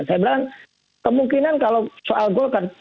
saya bilang kemungkinan kalau soal golkar